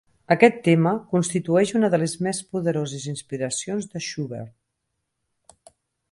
Aquest tema constitueix una de les més poderoses inspiracions de Schubert.